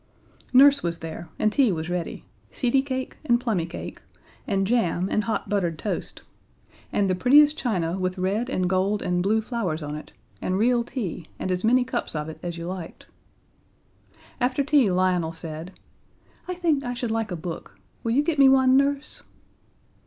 Nurse was there, and tea was ready: seedy cake and plummy cake, and jam and hot buttered toast, and the prettiest china with red and gold and blue flowers on it, and real tea, and as many cups of it as you liked. After tea Lionel said: "I think I should like a book. Will you get me one, Nurse?"